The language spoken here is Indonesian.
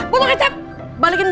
gua mau kecap balikin gak